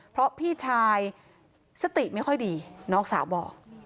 เพราะพี่ชายสติไม่ค่อยดีน้องสาวบอก